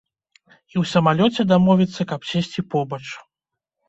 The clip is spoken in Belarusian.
І ў самалёце дамовіцца, каб сесці побач.